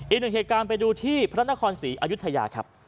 อีกหนึ่งเหตุการณ์ไปดูที่พระนครศรีอายุทยาครับ